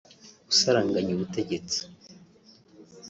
gusaranganya ubutegetsi